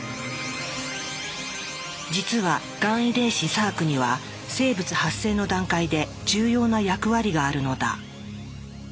実はがん遺伝子サークには生物発生の段階で重要な役割があるのだ。